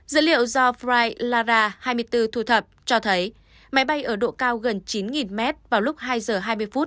dữ liệu do frise lara hai mươi bốn thu thập cho thấy máy bay ở độ cao gần chín mét vào lúc hai giờ hai mươi phút